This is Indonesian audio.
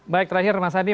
baik terakhir mas adi